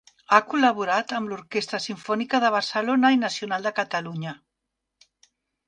Ha col·laborat amb l'Orquestra Simfònica de Barcelona i Nacional de Catalunya.